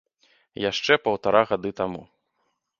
Яшчэ паўтара гады таму.